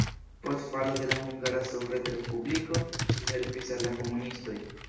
Post falo de la hungara sovetrespubliko ŝi helpis al la komunistoj.